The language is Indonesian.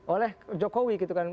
oleh jokowi gitu kan